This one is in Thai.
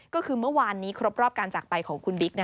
ก็คือเมื่อวานนี้ครบรอบการจากไปของคุณบิ๊ก